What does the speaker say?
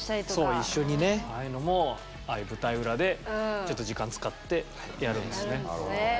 そう一緒にねああいうのもああいう舞台裏でちょっと時間使ってやるんですね。